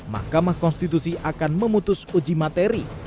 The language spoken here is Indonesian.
mahkamah konstitusi akan memutus uji materi